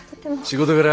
仕事柄